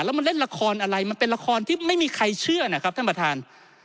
แล้วมันเล่นละครอะไรมันเป็นละครที่ไม่มีใครเชื่อนะครับท่านประธาน